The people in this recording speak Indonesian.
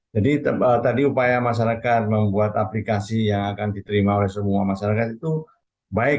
jadi upaya masyarakat membuat aplikasi yang akan diterima oleh semua masyarakat itu baik